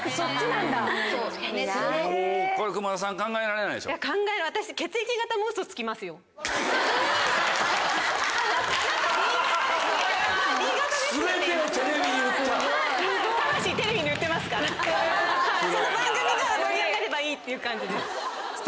その番組が盛り上がればいいっていう感じです。